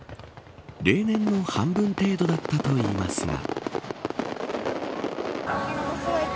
例年の半分程度だったといいますが。